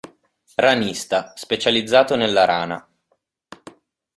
"Ranista": Specializzato nella rana.